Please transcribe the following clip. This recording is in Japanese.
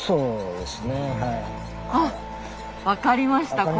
あっ分かりました。